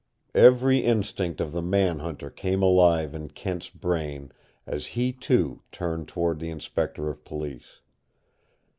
Every instinct of the man hunter became alive in Kent's brain as he, too, turned toward the Inspector of Police.